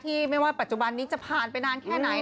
ไม่ว่าปัจจุบันนี้จะผ่านไปนานแค่ไหน